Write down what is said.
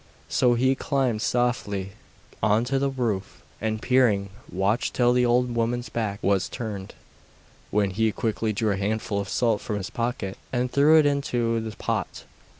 So he climbed softly on to the roof, and, peering, watched till the old woman's back was turned, when he quickly drew a handful of salt from his pocket and threw it into the pot.